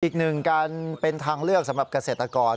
อีกหนึ่งการเป็นทางเลือกสำหรับเกษตรกร